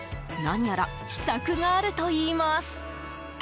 何やら秘策があるといいます。